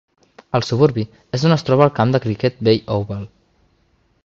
El suburbi és on es troba el camp de criquet Bay Oval.